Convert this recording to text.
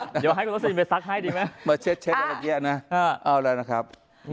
เดี๋ยวให้คุณตัวเสียงไปซักให้ดีไหมมาเช็ดอะไรแย่นะเอาล่ะนะครับ